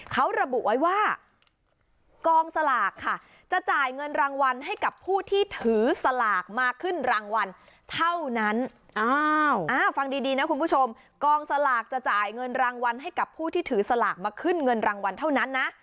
เขาระบุไว้ว่ากองสลากค่ะจะจ่ายเงินรางวัลให้กับผู้ที่ถือสลากมาขึ้นรางวัลเท่านั้น